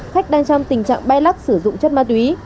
khách đang trong tình trạng bay lắc sử dụng chất ma túy